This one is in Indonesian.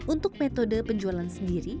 untuk metode penjualan sendiri